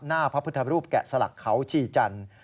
พระพุทธรูปแกะสลักเขาชีจันทร์